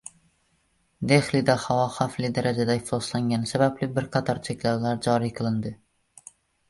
Dehlida havo xavfli darajada ifloslangani sababli bir qator cheklovlar joriy qilindi